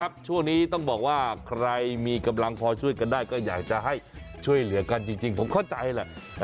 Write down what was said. ช่วงนี้ต้องบอกว่าใครมีกำลังพอช่วยกันได้ก็อยากจะให้ช่วยเหลือกันจริงผมเข้าใจแหละ